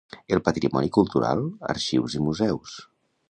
El patrimoni cultural, arxius i museus.